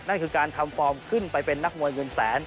นั่นคือการทำฟอร์มขึ้นไปเป็นนักมวยเงินแสน